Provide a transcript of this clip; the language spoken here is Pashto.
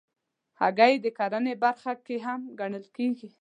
هګۍ د کرنې برخه هم ګڼل کېږي.